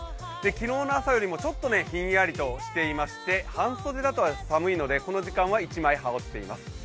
昨日の朝よりもちょっとひんやりとしていまして半袖だと寒いのでこの時間は１枚、羽織っています。